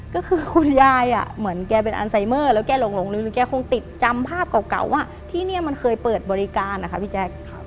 ก็คือคุณยายเหมือนแกเป็นอันไซเมอร์แล้วแกหลงลืมแกคงติดจำภาพเก่าว่าที่นี่มันเคยเปิดบริการนะคะพี่แจ๊ค